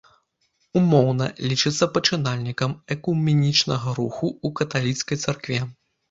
Умоўна лічыцца пачынальнікам экуменічнага руху ў каталіцкай царкве.